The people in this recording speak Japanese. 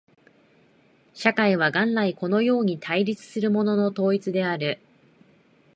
社会は元来このように対立するものの統一である。